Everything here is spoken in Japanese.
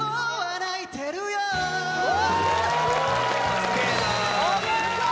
・すげえな！